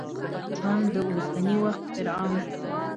ټرمپ د اوسني وخت فرعون!